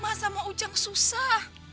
masa mau ujang susah